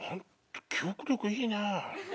記憶力いいね！